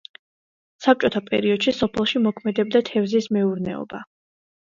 საბჭოთა პერიოდში სოფელში მოქმედებდა თევზის მეურნეობა.